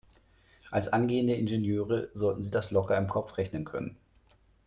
Als angehende Ingenieure sollten Sie das locker im Kopf rechnen können.